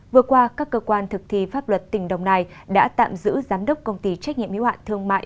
vừa qua các cơ quan thực thi pháp luật tỉnh đồng nai đã tạm giữ giám đốc công ty trách nhiệm yếu hạn thương mại